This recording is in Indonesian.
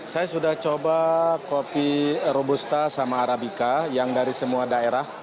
saya sudah coba kopi robusta sama arabica yang dari semua daerah